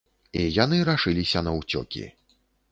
І яны рашыліся на ўцёкі.